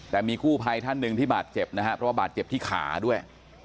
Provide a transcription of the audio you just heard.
แต่มีกู้ภัยท่านหนึ่งที่บาดเจ็บนะครับเพราะว่าบาดเจ็บที่ขาด้วย